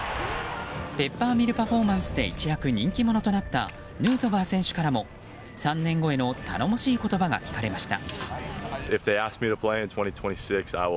ペッパーミルパフォーマンスで一躍、人気者となったヌートバー選手からも３年後への頼もしい言葉が聞かれました。